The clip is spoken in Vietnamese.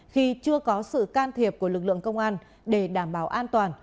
khi chưa có sự can thiệp của lực lượng công an để đảm bảo an toàn